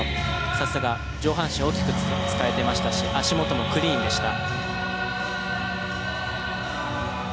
さすが上半身を大きく使えていましたし足元もクリーンでした。